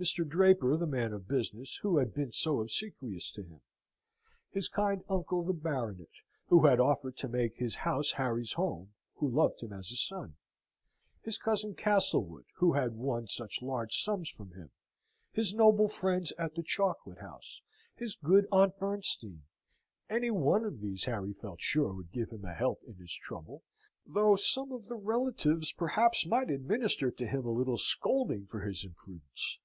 Mr. Draper, the man of business, who had been so obsequious to him: his kind uncle the Baronet, who had offered to make his house Harry's home, who loved him as a son: his cousin Castlewood, who had won such large sums from him: his noble friends at the Chocolate House, his good Aunt Bernstein any one of these Harry felt sure would give him a help in his trouble, though some of the relatives, perhaps, might administer to him a little scolding for his imprudence.